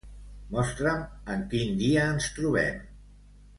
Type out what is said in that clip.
Mostra'm en quin dia ens trobem.